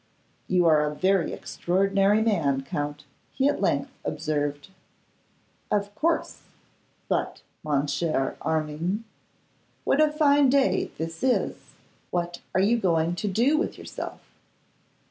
'You are a very extraordinary man, Count,' he at length observed. 'Of course; but, mon cher Armine, what a fine day this is! What are you going to do with yourself?